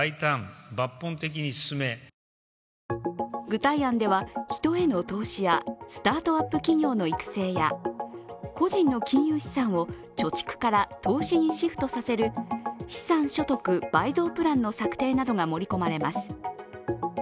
具体案では、人への投資や、スタートアップ企業の育成や、個人の金融資産を貯蓄から投資にシフトさせる資産所得倍増プランの策定などが盛り込まれます。